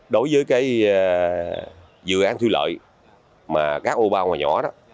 đối với cái dự án thu lợi mà các ô bao ngoài nhỏ đó